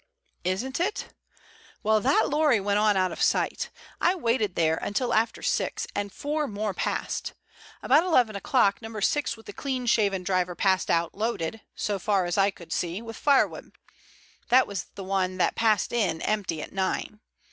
"Isn't it? Well, that lorry went on out of sight. I waited there until after six, and four more passed. About eleven o'clock No. 6 with the clean shaven driver passed out, loaded, so far as I could see, with firewood. That was the one that passed in empty at nine.